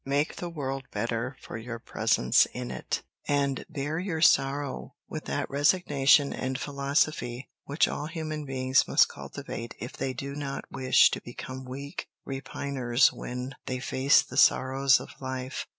Make the world better for your presence in it, and bear your sorrow with that resignation and philosophy which all human beings must cultivate if they do not wish to become weak repiners when they face the sorrows of life.